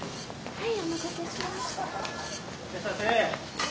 はい！